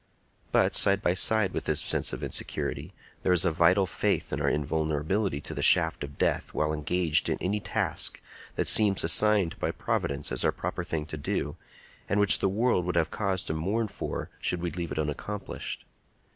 But, side by side with this sense of insecurity, there is a vital faith in our invulnerability to the shaft of death while engaged in any task that seems assigned by Providence as our proper thing to do, and which the world would have cause to mourn for should we leave it unaccomplished.